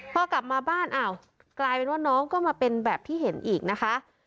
พอกลับมาบ้านอ้าวกลายเป็นว่าน้องก็มาเป็นแบบที่เห็นอีกนะคะ